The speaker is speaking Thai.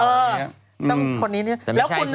ต้องคนนี้